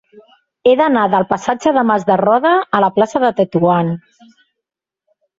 He d'anar del passatge de Mas de Roda a la plaça de Tetuan.